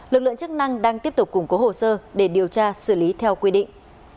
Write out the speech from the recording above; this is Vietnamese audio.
lực lượng chức năng đang tiếp tục củng cố hồ sơ để điều tra xử lý theo quy định